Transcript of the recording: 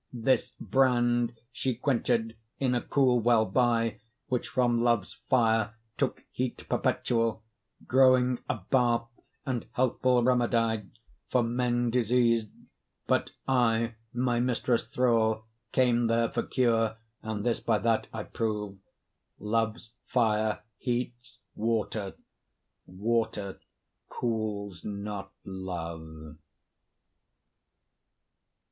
This brand she quenched in a cool well by, Which from Love's fire took heat perpetual, Growing a bath and healthful remedy, For men diseased; but I, my mistress' thrall, Came there for cure and this by that I prove, Love's fire heats water, water cools not love.